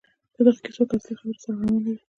په دغو کیسو کې اصلي خبره سرغړونه ده.